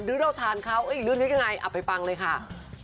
หรือเราทานเขาอีกรุ่นนี้กันไงเอาไปฟังเลยค่ะ